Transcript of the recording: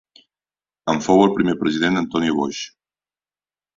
En fou el primer president Antonio Boix.